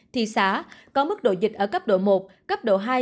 thị xã có mức độ dịch ở cấp độ một cấp độ hai